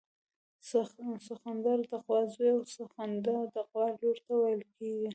سخوندر د غوا زوی او سخونده د غوا لور ته ویل کیږي